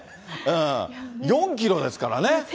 ４キロですからね。